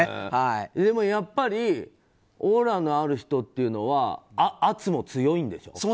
でも、やっぱりオーラのある人っていうのはそうなんです。